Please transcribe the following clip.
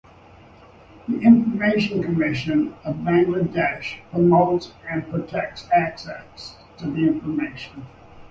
The Information Commission of Bangladesh promotes and protects access to information.